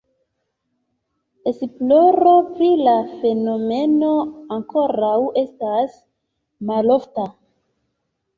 Esploro pri la fenomeno ankoraŭ estas malofta.